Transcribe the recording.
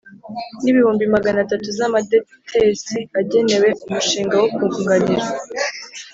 N ibihumbi magana atatu z amadetesi agenewe umushinga wo kunganira